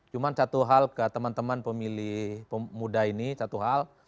cuma satu hal ke teman teman pemilih pemuda ini satu hal